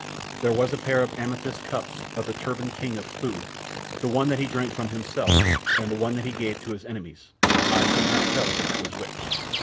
There was the pair of amethyst cups of the turbaned King of Foo, the one that he drank from himself, and the one that he gave to his enemies, eye could not tell which was which.